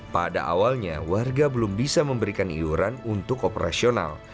pada awalnya warga belum bisa memberikan iuran untuk operasional